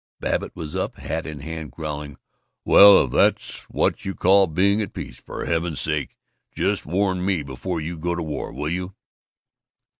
Babbitt was up, hat in hand, growling, "Well, if that's what you call being at peace, for heaven's sake just warn me before you go to war, will you?"